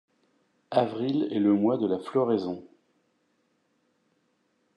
Avril est le mois de la floraison.